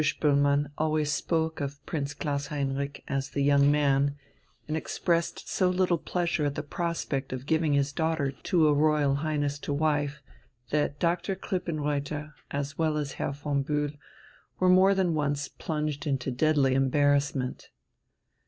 Spoelmann always spoke of Prince Klaus Heinrich as "the young man," and expressed so little pleasure at the prospect of giving his daughter to a Royal Highness to wife, that Dr. Krippenreuther, as well as Herr von Bühl, were more than once plunged into deadly embarrassment.